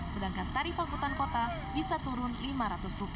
sedangkan tarif angkutan kota bisa turun rp lima ratus